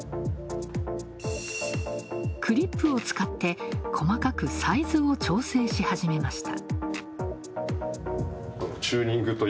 クリップを使って、細かくサイズを調整し始めました。